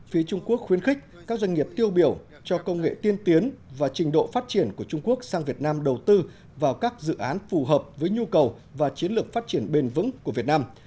phía trung quốc khuyến khích các doanh nghiệp tiêu biểu cho công nghệ tiên tiến và trình độ phát triển của trung quốc sang việt nam đầu tư vào các dự án phù hợp với nhu cầu và chiến lược phát triển bền vững của việt nam